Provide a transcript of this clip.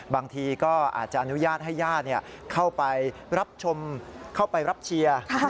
บางทีก็อาจจะอนุญาตให้ญาติเข้าไปรับชมเข้าไปรับเชียร์